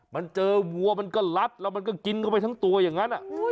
มันเจอวัวมันก็ลัดแล้วมันก็กินเข้าไปทั้งตัวอย่างนั้น